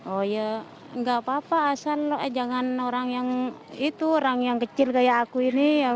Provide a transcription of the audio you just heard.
oh ya nggak apa apa asal jangan orang yang itu orang yang kecil kayak aku ini